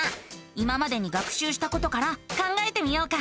今までに学しゅうしたことから考えてみようか。